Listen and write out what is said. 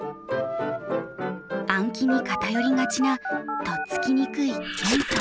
暗記に偏りがちなとっつきにくい元素。